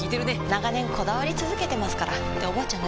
長年こだわり続けてますからっておばあちゃん